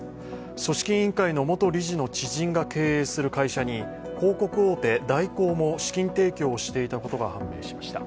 組織委員会の元理事の知人が経営する会社に広告大手、大広も資金提供していたことが判明しました。